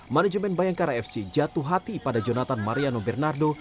manajemen bayangkara fc jatuh hati pada jonathan mariano bernardo